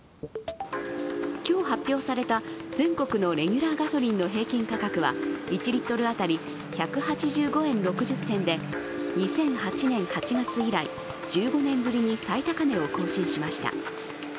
今日、発表された全国のレギュラーガソリンの平均価格は１リットル当たり１８５円６０銭で２００８年８月以来１５年ぶりに最高値を更新しました。